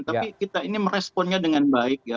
tapi kita ini meresponnya dengan baik ya